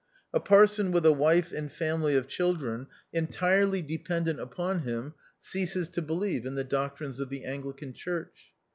A parson with a wife and family of children entirely H ii4 THE OUTCAST. dependent upon him ceases to believe in the doctrines of the Anglican Church.